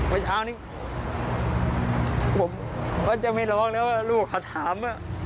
วันเช้านี้ผมก็จะไม่ร้องแล้วลูกเขาถาม